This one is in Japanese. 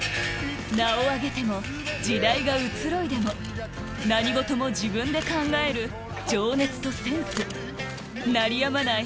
名を上げても時代が移ろいでも何事も自分で考える情熱とセンス鳴りやまない